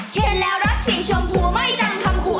เห็นแล้วรักสีชมพูไม่ดังคำขู่